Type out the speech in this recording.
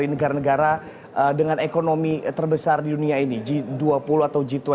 negara negara dengan ekonomi terbesar di dunia ini g dua puluh atau g dua puluh